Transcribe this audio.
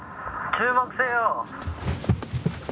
注目せよ」